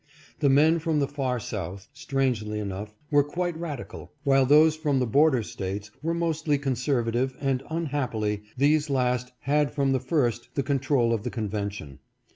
The men from the far South, strangely enough, were quite radical, while those from the border States were mostly conservative, and unhappily, these last had from the first the control of the convention.